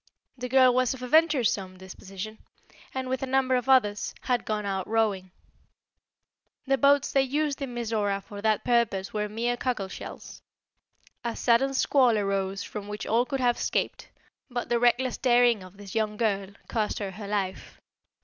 The girl was of a venturesome disposition, and, with a number of others, had gone out rowing. The boats they used in Mizora for that purpose were mere cockle shells. A sudden squall arose from which all could have escaped, but the reckless daring of this young girl cost her her life.